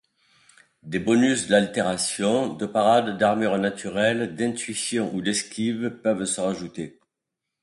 Des bonus d'altération, de parade, d'armure naturelle, d'intuition ou d'esquive peuvent se rajouter.